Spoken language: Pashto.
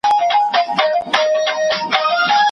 څوک به تودې کړي سړې جونګړي